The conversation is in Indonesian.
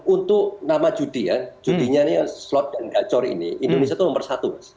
untuk nama judi ya judinya ini yang slot dan gacor ini indonesia itu nomor satu